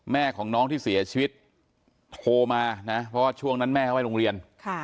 แม่ของน้องที่เสียชีวิตโทรมานะเพราะว่าช่วงนั้นแม่เขาไปโรงเรียน